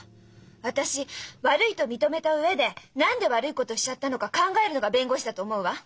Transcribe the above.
私悪いと認めた上で何で悪いことをしちゃったのか考えるのが弁護士だと思うわ。